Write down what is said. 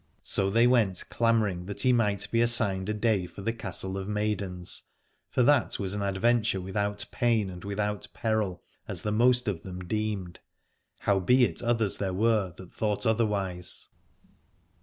So they went clamouring that he might be assigned a day for the Castle of Maidens, for that was an adventure without pain and without peril, as the most of them deemed: 130 Aladore howbeit others there were that thought other wise.